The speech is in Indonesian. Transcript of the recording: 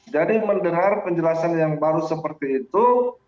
jadi mendengar penjelasan yang baru seperti itu